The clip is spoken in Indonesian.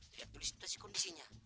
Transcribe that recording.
lihat tulis itu kondisinya